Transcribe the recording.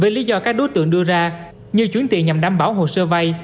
về lý do các đối tượng đưa ra như chuyển tiền nhằm đảm bảo hồ sơ vay